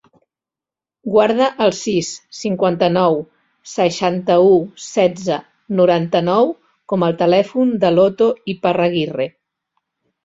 Guarda el sis, cinquanta-nou, seixanta-u, setze, noranta-nou com a telèfon de l'Otto Iparraguirre.